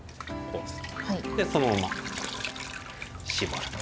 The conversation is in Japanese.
でそのまま絞ると。